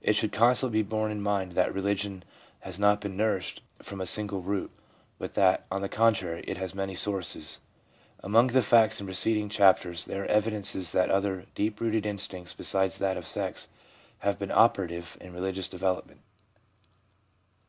It should constantly be borne in mind that religion has not been nourished from a single root, but that, on the contrary, it has many sources. Among the facts in the preceding chapters there are evidences that other deep rooted instincts beside that of sex have been operative in religious development.